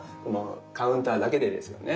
カウンターだけでですよね